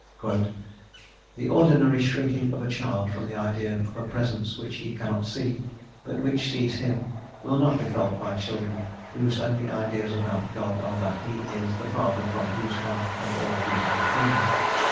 * The ordinary shrinking of a child from the idea of a Presence which he cannot see, but which sees him, will not be felt by children whose only ideas about God are that He is the Father from whose hand come all beautiful things.